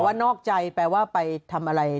แต่ว่านอกใจแปลว่าไปทำอะไร